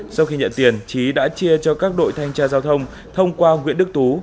sau khi nhận tiền trí đã chia cho các đội thanh tra giao thông thông qua nguyễn đức tú